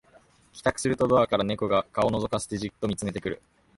帰宅するとドアから猫が顔をのぞかせてじっと見つめてくる